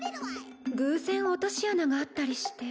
偶然落とし穴があったりして。